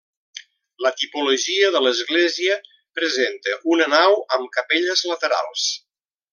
La tipologia de l'església presenta una nau amb capelles laterals.